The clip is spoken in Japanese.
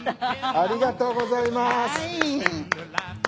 ありがとうございます。